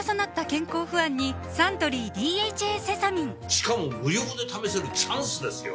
しかも無料で試せるチャンスですよ